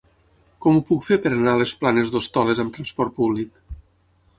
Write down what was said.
Com ho puc fer per anar a les Planes d'Hostoles amb trasport públic?